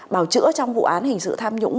bảo chữa trong vụ án hình sự tham nhũng